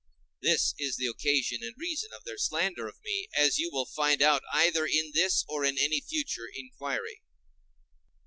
—this is the occasion and reason of their slander of me, as you will find out either in this or in any future inquiry.